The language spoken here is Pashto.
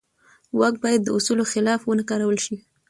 واک باید د اصولو خلاف ونه کارول شي.